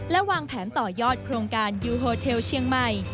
และวางแผนต่อยอดโครงการยูโฮเทลเชียงใหม่